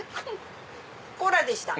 コーラでした？